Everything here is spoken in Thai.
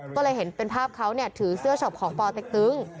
ก็เลยเห็นเป็นภาพเขาถือเสื้อช็อปของปเต็กตึง